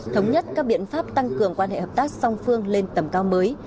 thống nhất các biện pháp tăng cường quan hệ hợp tác song phương lên tầm cao mới